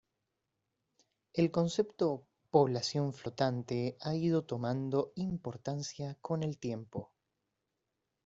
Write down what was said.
El concepto "población flotante" ha ido tomando importancia con el tiempo.